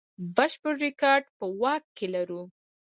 بشپړ ریکارډ په واک کې لرو.